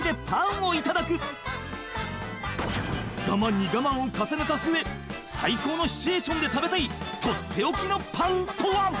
［我慢に我慢を重ねた末最高のシチュエーションで食べたい取って置きのパンとは？